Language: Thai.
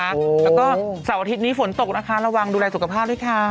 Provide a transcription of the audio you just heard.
แล้วก็เสาร์อาทิตย์นี้ฝนตกนะคะระวังดูแลสุขภาพด้วยค่ะ